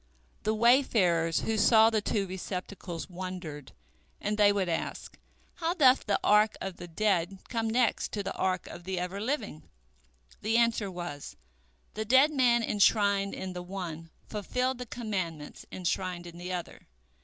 The wayfarers who saw the two receptacles wondered, and they would ask, "How doth the ark of the dead come next to the ark of the Ever living?" The answer was, "The dead man enshrined in the one fulfilled the commandments enshrined in the other.